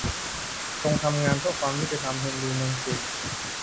จงทำงานเพื่อความยุติธรรม - เฮนรี เมงเคน